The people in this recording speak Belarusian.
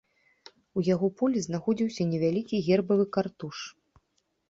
У яго полі знаходзіўся невялікі гербавы картуш.